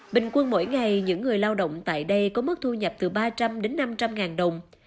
bình quân mỗi ngày những người lao động tại đây có mức thu nhập từ ba trăm linh đến năm trăm linh ngàn đồng